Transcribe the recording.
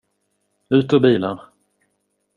Ut ur bilen.